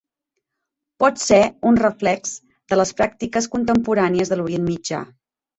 Pot ser un reflex de les pràctiques contemporànies de l'Orient Mitjà.